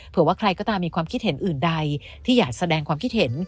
ว่าใครก็ตามมีความคิดเห็นอื่นใดที่อยากแสดงความคิดเห็น